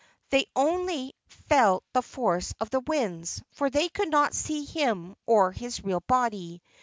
They only felt the force of the winds, for they could not see him or his real body.